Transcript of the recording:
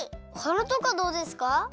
おはなとかどうですか？